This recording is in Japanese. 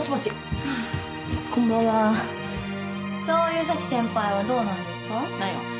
そういう咲先輩はどうなんですか？